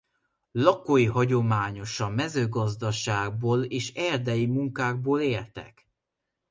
Lakói hagyományosan mezőgazdaságból és erdei munkákból éltek.